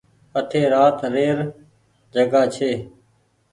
اٺي رات ري ر جگآ ڇي۔